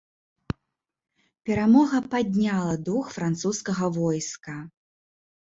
Перамога падняла дух французскага войска.